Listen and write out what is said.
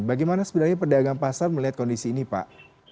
bagaimana sebenarnya pedagang pasar melihat kondisi ini pak